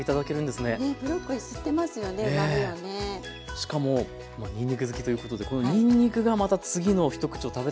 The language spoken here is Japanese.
しかもにんにく好きということでこのにんにくがまた次の一口を食べたくなるというか。